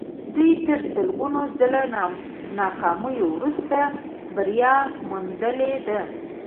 دوی تر سلګونه ځله ناکامیو وروسته بریا موندلې ده